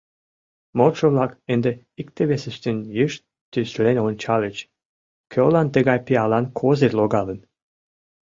Модшо-влак ынде икте-весыштым йышт тӱслен ончальыч: кӧлан тыгай пиалан козырь логалын?